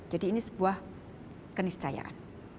jadi ini sebuah keniscayaan